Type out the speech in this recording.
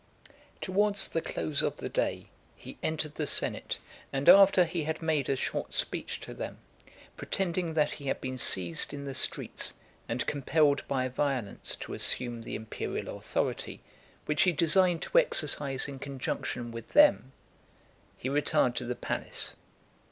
VII. Towards the close of the day, he entered the senate, and after he had made a short speech to them, pretending that he had been seized in the streets, and compelled by violence to assume the imperial authority, which he designed to exercise in conjunction with them, he retired to the palace.